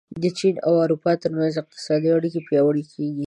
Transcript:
د چین او اروپا ترمنځ اقتصادي اړیکې پیاوړې کېږي.